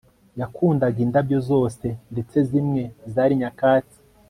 yakundaga indabyo zose, ndetse zimwe zari nyakatsi